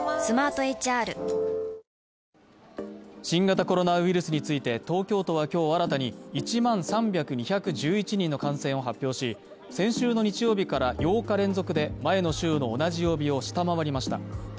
新型コロナウイルスについて東京都は今日新たに１万３２１人の感染を発表し、先週の日曜日から８日連続で前の週の同じ曜日を下回りました。